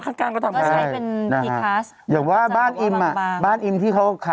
มันได้ยินไหมครับ